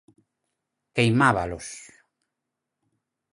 Queimábalos.